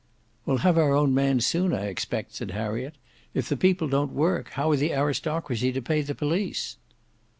"We'll have our own man soon, I expect," said Harriet. "If the people don't work, how are the aristocracy to pay the police?"